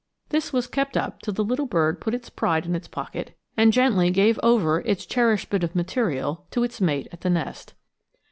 This was kept up till the little bird put its pride in its pocket, and gently gave over its cherished bit of material to its mate at the nest!